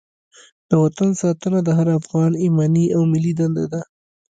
د وطن ساتنه د هر افغان ایماني او ملي دنده ده.